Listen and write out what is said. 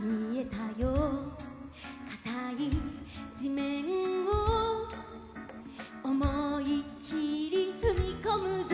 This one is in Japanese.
「かたいじめんをおもいきりふみこむぞ」